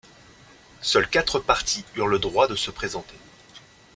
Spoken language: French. Seuls quatre partis eurent le droit de se présenter.